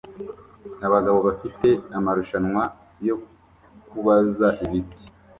Abagabo bafite amarushanwa yo kubaza ibiti